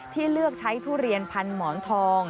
เลือกใช้ทุเรียนพันหมอนทอง